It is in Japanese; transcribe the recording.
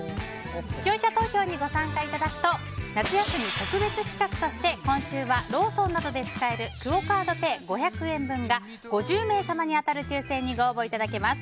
視聴者投票にご参加いただくと夏休み特別企画として今週はローソンなどで使えるクオ・カードペイ５００円分が５０名様に当たる抽選にご応募いただけます。